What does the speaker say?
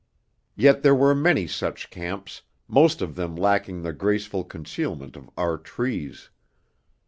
Yet there were many such camps, most of them lacking the grateful concealment of our trees.